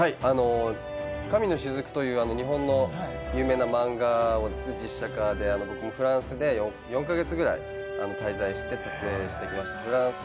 『神の雫』という日本の有名な漫画の実写化で、僕もフランスで４か月ぐらい滞在して撮影してきました。